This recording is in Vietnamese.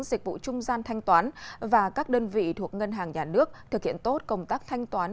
dịch vụ trung gian thanh toán và các đơn vị thuộc ngân hàng nhà nước thực hiện tốt công tác thanh toán